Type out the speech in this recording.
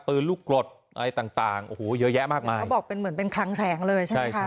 ลูกกรดอะไรต่างต่างโอ้โหเยอะแยะมากมายเขาบอกเป็นเหมือนเป็นคลังแสงเลยใช่ไหมคะ